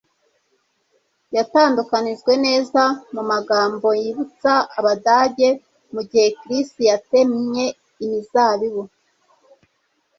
yatandukanijwe neza mumagambo yibutsa abadage mugihe Chris yatemye imizabibu.